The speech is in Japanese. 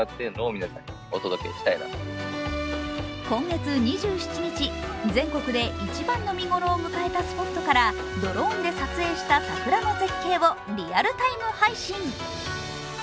今月２７日、全国で一番の見ごろを迎えたスポットからドローンで撮影した桜の絶景をリアルタイム配信。